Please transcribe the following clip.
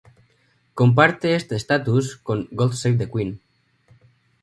Comparte este estatus con "God Save the Queen".